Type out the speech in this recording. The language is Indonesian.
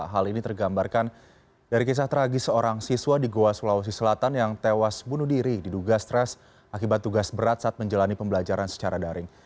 hal ini tergambarkan dari kisah tragis seorang siswa di goa sulawesi selatan yang tewas bunuh diri diduga stres akibat tugas berat saat menjalani pembelajaran secara daring